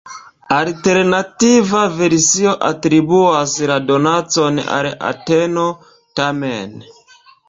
Alternativa versio atribuas la donacon al Ateno, tamen.